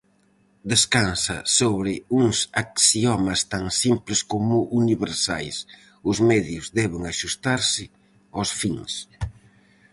Descansa sobre uns axiomas tan simples como universais: os medios deben axustarse aos fins.